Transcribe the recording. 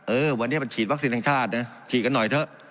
เออวันนี้มันฉีดวัคซีนแห่งชาตินะฉีดกันหน่อยเถอะ